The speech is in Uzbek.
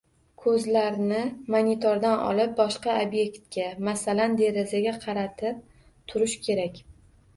Ko‘zlarni monitordan olib, boshqa ob’ektga, masalan, derazaga qaratib turish kerak.